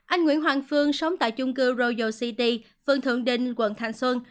anh nguyễn hoàng phương sống tại chung cư royal city phường thượng đình quận thành xuân